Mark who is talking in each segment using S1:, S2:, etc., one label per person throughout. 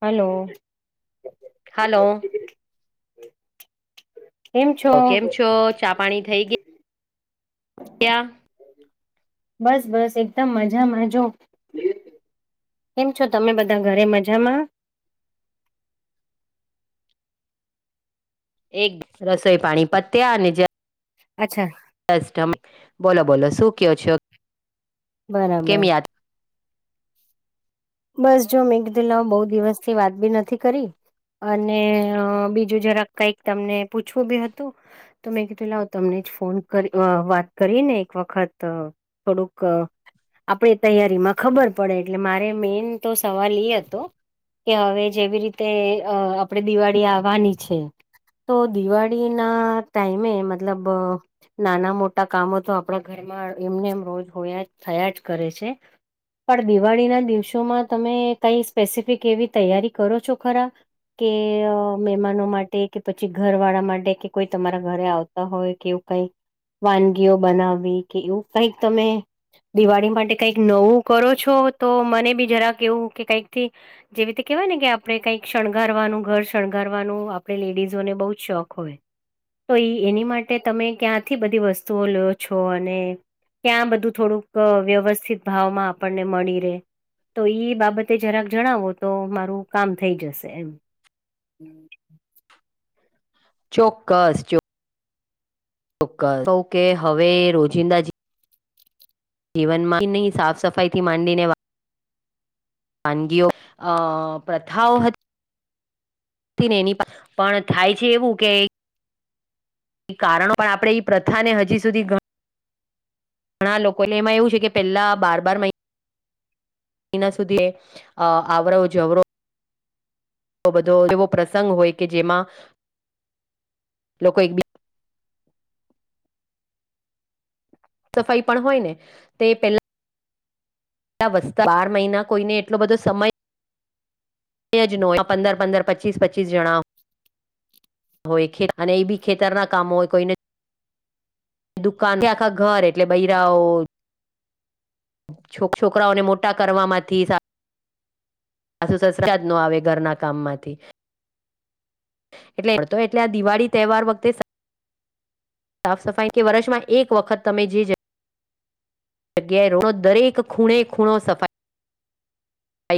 S1: Hello
S2: hello
S1: [inaudible]
S2: ઓ કેમ છો? ચા પાણી થઈ ગય ગયા?
S1: બસ બસ એકદમ મજામાં જો કેમ છો તમે બધા ઘરે મજામાં?
S2: એક રસોઈ પાણી પત્યા અને
S1: અચ્છા
S2: બોલો બોલો શું કયો છો? કેમ
S1: બરાબર
S2: યાદ
S1: બસ જો મેઘ દેલાઓ બહુ દિવસ થી વાત બી નથી કરી. અને બીજું જરાક કઈક તમને પૂછવું બી હતું. તો મેં કીધું લાઓ તમને જ ફોન કરી વાત કરી ને એક વખત થોડુંક આપણેે તૈયારીમાં ખબર પડે એટલે મારે મેં તો સવાલ એ હતો. કે હવે જેવી રીતે અ આપણેે દિવાળી આવવાની છે. તો દિવાળી ના ટાઈમે મતલબ નાના મોટા કામો તો આપણા ઘરમાં એમને એમ રોજ હોયા થયા જ કરે છે. પણ દિવાળીના દિવસોમાં તમે કઈ સ્પેસિફિક એવી તૈયારી કરો છો ખરા? કે મહેમાનો માટે કે પછી ઘર વાળા માટે કે કોઈ તમારા ઘરે આવ હોય કે એવું કઈ વાનગીઓ બનાવવી કે એવું કઈક તમે? દિવાળી માટે કઈક નવું કરો છો તો મને બી જરા કેવું કે કઈક જેવી રીતે કેહેવાય ને કે આપણે કઈક શણગારવાનું ઘર શણગારવાનું આપણે લેડીઝોને બહુ જ શોખ હોય તો એ એની માટે તમે ક્યાંથી બધી વસ્તુઓ લો છો? અને કયાં બધું થોડુંક વ્યવસ્થિત ભાવમાં આપણને મળી રહે. તો ઈ બાબતે જરાક જણાવો તો મારું કામ થઈ જશે એમ
S2: ચોક્કસ ચોક્કસ કે હવે રોજિંદા જી જીવનમાં નહીં સાફ સફાઈ થી માંડીને વા વાનગીઓ અ પ્રથાઓ હતી. ની એની પણ થાય છે એવું કે કારણો પણ આપણે ઈ પ્રથા ને હજી સુધી ઘણા લોકો ને એમાં એવું છે કે પેલા બાર બાર એના સુધી આવરો જવરો બધો એવો પ્રસંગ હોય કે જેમાં લોકો સફાઈ પણ હોય ને તે પેલા બાર મહિના કોઈને એટલો બધો સમય જ નો પંદર પંદર પચીસ પચીસ જણા હોય અને એ બી ખેતરના કામો હોય કોઈને દુકાન કે આખા ઘર એટલે બૈરાઓ છોક છોકરાઓને મોટા કરવામાંથી સા પાસું સસરાજ નું આવે ઘરના કામ માંથી એટલે તો એટલે આ દિવાળી તહેવાર વખતે સાફ સફાઈ કે વર્ષમાં એક વખત તમે જે જ જગ્યાએ રો દરેક ખૂણે ખૂણો સફાઈ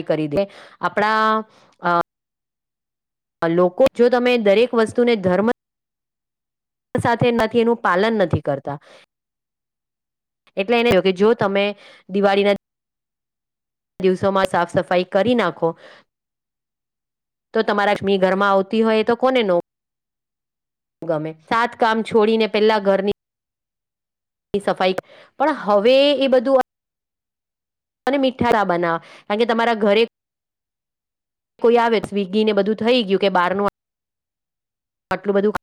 S2: કરી દે આપણા અ લોકો જો તમે દરેક વસ્તુને ધર્મ સાથે એમાંથી એનું પાલન નથી કરતા એટલે એ ન જોય કે જો તમે દિવાળીના દિવસોમાં સાફ સફાઈ કરી નાખો તો તમારા સ્મી ઘરમાં આવતી હોય તો કોને નો ગમે સાત કામ છોડીને પેલા ઘરની સફાઈ પણ હવે એ બધું અને મીઠા બનાવ કારણ કે તમારા ઘરે કોઈ આવે સ્વિગીને બધું થઈ ગયું કે બારનું આટલું બધું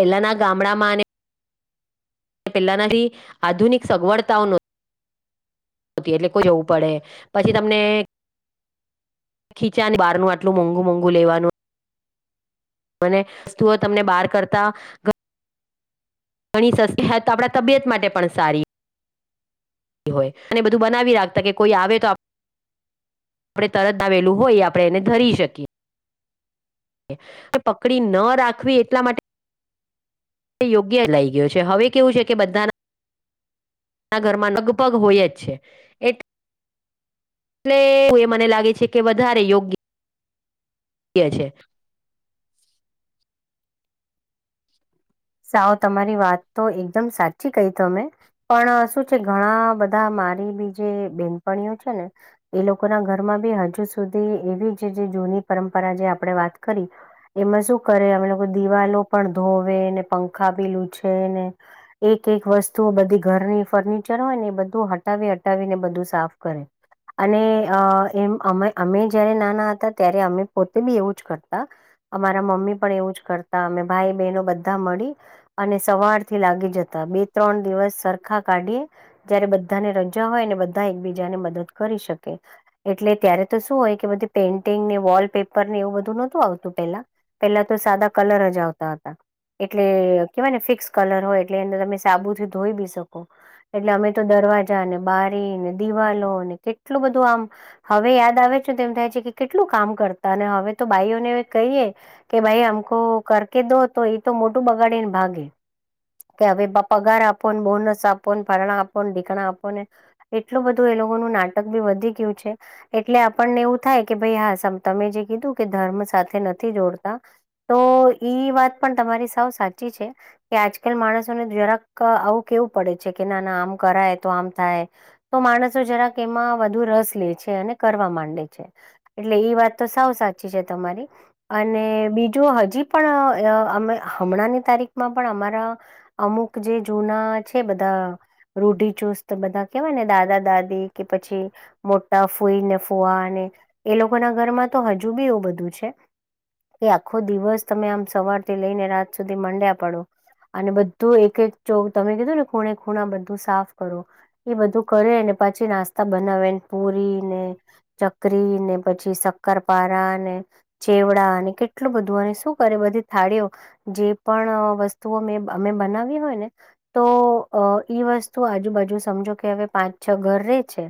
S2: પેલાના ગામડામાં અને પેલાનાથી આધુનિક સગવડતાઓ નો એટલે કોઈ જવું પડે પછી તમને ખીચાની બારનું આટલ મોંઘુ મોંઘું લેવાનું [unintelligible] તુંઓ તમને બહાર કરતા ઘણી સસ હે તો આપણા તબિયત માટે પણ સારી હોય અને બધું બનાવી રાખતા કે કોઈ આવે તો આપણે તરત ધ આવેલું હોય આપણે એને ધરી શકીએ પકડી ન રાખવી એટલા માટે યોગ્ય લઈ ગયો છે હવે કેવું છે કે બધાના ઘરમાં લગભગ હોય જ છે એ એટલે એ મને લાગે છે કે વધારે યોગ્ય યો્ય છે
S1: સાવ તમારી વાત તો એકદમ સાચી કઈ તો અમે પણ શું છે ઘણા બધા મારી બીજ બેનપણીઓ છે ને એ લોકોના ઘરમાં બી હજુ સુધી એવી જે જૂની પરંપરા જે આપણે વાત કરી એમાં શું કરે અમે લોકો દિવાલો પણ ધોવે ને પંખા પીલું છે ને એક એક વસ્તુ બધી ઘરની ફર્નિચર હોય ને એ બધું હટાવી હટાવીને બધું સાફ કરે અને અ એમ અમે જયારે નાના હતા ત્યારે અમે પોતે બી એવું જ કરતા અમારા મમ્મી પણ એવું જ કરતા અમે ભાઈ બહેનો બધા મળી અને સવાર થી લાગી જતા બે ત્રણ દિવસ સરખા કાઢીએ જયારે બધાને રજા હોય અને બધા એકબીજાને મદદ કરી શકે એટલે ત્યારે તો શું હોય કે બધી પેઇન્ટિંગને વોલ પેપર ને એવું બધું નોતું આવતું પેલા પેલા તો સાદા કલર જ આવતા હતા એટલે કેવાય ને ફિક્સ કલર હોય એટલે એને તમે સાબુથી ધોઈ બી શકો એટલે અમે તો દરવાજા ને બારી ને દિવાલોને કેટલું બધું આમ હવે યાદ આવે છે તેમ થાય છે કે કેટલું કામ કરતા અને હવે તો ભાઈઓને કહીએ કે ભાઈ આમકો કર કે દો તો એ તો મોટું બગાડી ને ભાગે કે હવે પગાર આપોને બોનસ આપો ને ભાારણા આપો ને ઢીકણા આપો ને એટલું બધું એ લોકોનું નાટક બી વધી ગયું છે એટલે આપણને એવું થાય કે ભાઈ હા તમે જે કીધું કે ધર્મ સાથે નથી જોડતા તો ઈ વાત પણ તમારી સાવ સાચી છે કે આજકાલ માણસોને જરાક આવું કેવું પડે છે કે ના ના આમ કરાય તો આમ થાય તો માણસો જરાક એમાં વધુ રસ લે છે અને કરવા માંડે છે એટલે એ વાત તો સાવ સાચી છે. તમારી અને બીજું હજી પણ અ અમે હમણાંની તારીખમાં પણ અમારા અમુક જે જૂના છે. બધા રોઢીચુસ બધા કેવાય ને દાદા દાદી કે પછી મોટા ફૂઈને ફોવા અને એ લોકોના ઘરમાં તો હજુ બી એવું બધું છે. એ આખો દિવસ તમે આમ સવારથી લઈને રાત સુધી માંડ્યા પડો અને બધું એક એક ચ તમે કીધું ને ખૂણે ખૂણા બધું સાફ કરો. એ બધું કરે અને પાછી નાસ્તા બનાવેને પુરી ને ચકરી ને પછી શક્કર પારા ને ચેવડા અને કેટલું બધું અને શું કરે બધી થાળીઓ જે પણ વસ્તુઓ મે અમે બનાવી હોય ને તો ઈ વસ્તુ આજુબાજુ સમજો કે હવે પાંચ છ ઘર રે છે.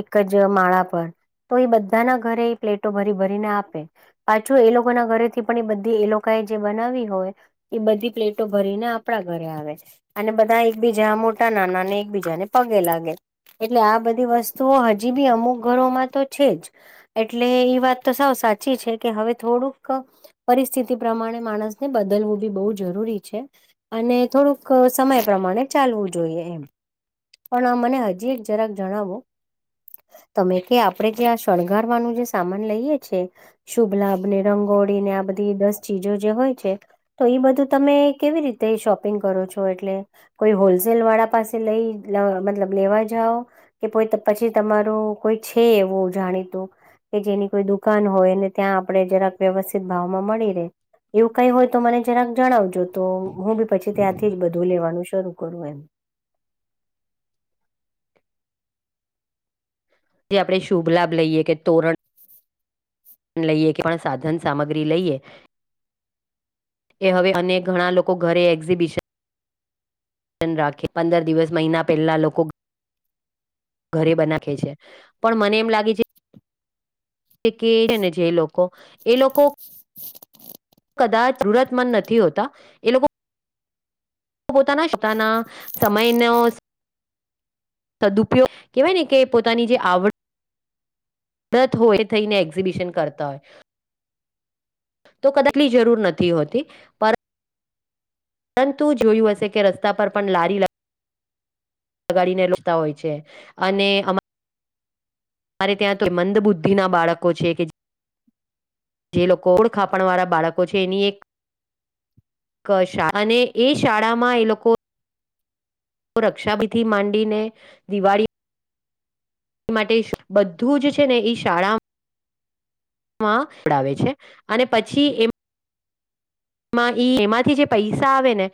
S1: એક જ માળા પર તો એ બધાના ઘરે એ પ્લેટો ભરી ભરીને આપે. પાછું એ લોકો ના ઘરે થી પણ એ, બધી એ લોકો કઈ જે બનાવી હોય એ, બધી પ્લેટો ભરીને આપણા ઘરે આવે છે. અને બધા એકબીજા મોટા નાના અને એકબીજાને પગે લાગે એટલે આ બધી વસ્તુઓ હજી બી અમુક ઘરોમાં તો છે જ એટલે એ વાત તો સાવ સાચી છે. કે હવે થોડુંક પરિસ્થિતિ પ્રમાણે માણસ ને બદલવું બી બહુ જરૂરી છે. અને થોડુંક સમય પ્રમાણે ચાલવું જોઈએ એમ પણ આ મને હજી એક જરાક જણાવો તમે કે આપણેે જે, આ શણગારવાનું જે સામાન લઈએ છે. શુભ લાભ ને રંગોળી ને આ બધી દસ ચીજો જે હોય છે. તો એ બધું તમે કેવી રીતે શોપિંગ કરો છો. એટલે કોઈ હોલસેલ વાળા પાસે લઈ મતલબ લેવા જાઓ કે પછી તમારું કોઈ છે. એવું જાણીતું કે જેની કોઈ દુકાન હોય ને ત્યાં આપડણે જરાક વ્યવસ્થિત ભાવમાં મળી રહે એવું કઈ હોય તો મને જરાક જણાવજો તો હું બી પછી ત્યાંથી જ, બધું લેવાનું શરૂ કરું એમ
S2: જે આપણે શુભ લાભ લઈએ કે તોરણ લઈએ કે પણ સાધન સામગ્રી લઈએ એ'હવે અને ઘણા લોકો ઘરે એક્ઝિબિશન રાખે પંદર દિવસ મહિના પહેલા લોકો ઘરે બનાખે છે પણ મને એમ લાગે છે. કે છે ને, જે લોકો એ લોકો કદાચ જરૂરત મંદ નથી હોતા એ લોકો પોતા નાતાના સમય ન સદપયોગ કેવાય ને, કે પોતાની જે આવડ મદત હો એ થઈને એક્ઝિબિશન કરતા હોય તો કદાચની જરૂર નથી હોતી પર પરંતુ જોયું હશે કે રસ્તા પર પણ લારી લ લગાડીને લતા હોય છે. અને મારે ત્યાં તો એ મંદ બુદ્ધિ, ના બાળકો છે કે જે લોકો ઓળખાપણ વાળા બાળકો છે. એની એક શા અને એ શાળા માં એ લોકો રક્ષાબીધિ માંડીને દિવાળી માટે બધું જ છે. ને શાળા ડાવે છે. અને પછી એ માં ઈ એમાંથી જે પૈસા આવે ને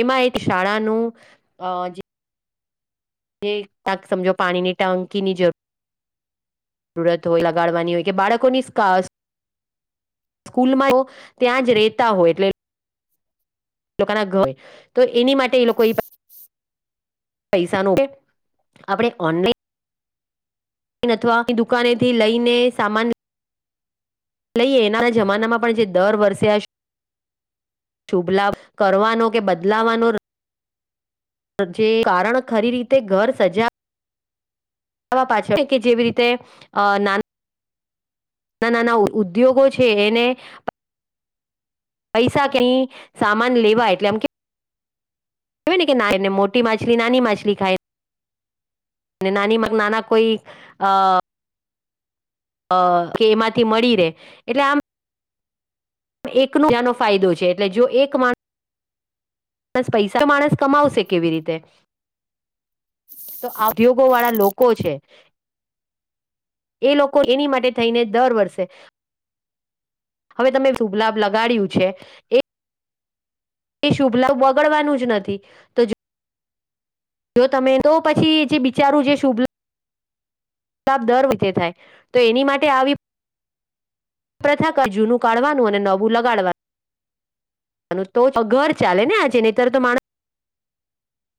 S2: એમાં એક શાળાનું જે. જે ત સમજો પાણી ની ટાંકીની જરૂર. જરૂરત હોય લગાડવાની હોય કે બાળકોની સ્. સ્કૂલમાં તો ત્યાં જ રહેતા હોય એટલે એ લોકો ના ઘર તો એની માટે એ લોકો
S1: [inaudible]
S2: પૈસાનું આપણે ઓનલાઈન ને અથવા ની દુકાને થી લઈ ને સામાન લઈએ એના જમાના માં પણ જે દર વર્ષે આ શુભ લાભ કરવાનો કે બદલાવાનો જે કારણ ખરી રીતે ઘર સજા સજાવવા પાછળ કે જેવી રીતે અ નાન નાના ઉદ્યોગો છે એને પૈસા કી સામાન લેવા એટલે એમ કે કેવાય ને કે એ મોટી માછલી નાની માછલી ખાય. અને નાની મા નાના કોઈ અ અ કે એમાંથી મળી રે એટલે આમ એક નો ફાયદો છે એટલે જો એક માણસ પૈસા માણસ કમાવશે કેવી રીતે? ઉદ્યોગો વાળા લોકો છે. એ લોકો એની માટે થઈને દર વર્ષે હવે તમે શુભ લાભ લગાડ્યું છે એ એ શુભ લાભ બગડવાનું જ નથી તો જો તમે તો પછી જે બિચારું જે શુભ લા શુભ લાભ દર વીતે થાય તો એની માટે આવી પ્રથા ક જૂનું કાઢવાનું અને નવું લગાડવાનું. તો ઘર ચાલે ને આજે નીતર તો માણસ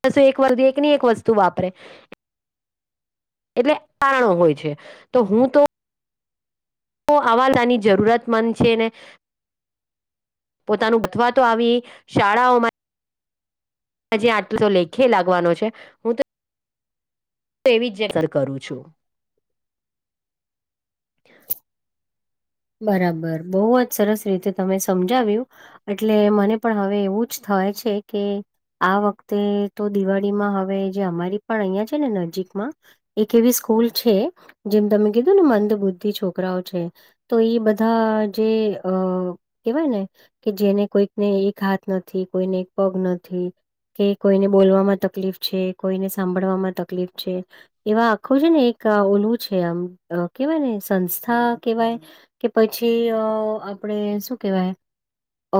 S2: [unintelligible] એક વર્દી એક ની એક વસ્તુ વાપરે. એટલે કારણો હોય છે તો હું તો તો આવા લાની જરૂરત મંદ છે ને પોતાનું અથવા તો આવી શાળાઓમાં હજી આટલું તો લેખે લાગવાનો છે હું તો એવી જેસર કરું છું.
S1: બરાબર બોવ જ સરસ રીતે તમે સમજાવ્યું. એટલે મને પણ હવે એવું જ થાય છે કે આ વખતે તો દિવાળીમાં હવે જે અમારી પણ અહિયાં છે ને નજીકમાં એક એવી સ્કૂલ છે જેમ તમે કીધું ને મંદ બુદ્ધિ છોકરાઓ છે. તો ઈ બધા જે અ કેહેવાય ને કે જેને કોઈક ને એક હાથ નથી કોઈને એક પગ નથી. કે કોઈને બોલવામાં તકલીફ છે, કોઈને સાંભળવામાં તકલીફ છે. એવા આખું છે ને એક ઓલું છે આમ કેવાય ને સંસ્થા કેવાય. કે પછી આપણે અ શું કેવાય. અ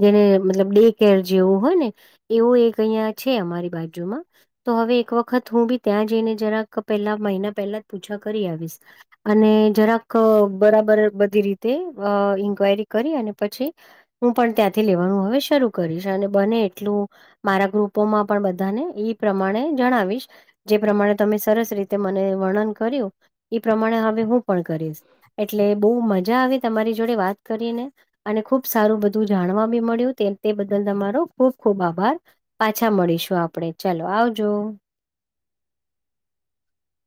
S1: જેને મતલબ ડે કેર જેવું હોય ને. એવું એક અહયા છે અમારી બાજુમાં. તો હવે એક વખત હું બી ત્યાં જઈને જરાક પેલા મહિના પહેલા જ પૂછા કરી આવીશ. અને જરાક બરાબર બધી રીતે ઇન્ક્વાયરી કરી અને પછી હું પણ ત્યાંથી લેવાનું હવે શરૂ કરીશ અને બને એટલું મારા ગ્રુપોમાં પણ બધાને ઈ પ્રમાણે જણાવીશ. જે પ્રમાણે તમે સરસ રીતે મને વર્ણન કર્યું એ પ્રમાણે હવે હું પણ કરીશ. એટલે બો મજા આવે તમારી જોડે વાત કરી ને. અને ખુબ સારું બધું જાણવા બી મળ્યું ત તે બદલ તમારો ખુબ ખુબ આભાર પાછા મળીશું આપડે ચાલો આવજો.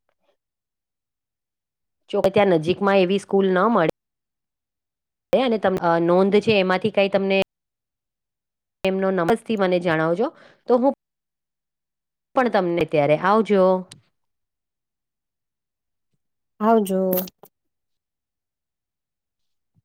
S2: [inaudible] જોકે ત્યાં નજીકમાં એવી સ્કૂલ ન મળે. ને અને અ નોંધ છે એમાંથી કાઈ તમને એમનો નમસથી મને જણાવજો તો હું પણ તમને ત્યારે આવજો.
S1: આવજો.